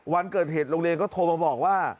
วันเกิดเหตุโรงเรียนก็โทรมาบอกว่า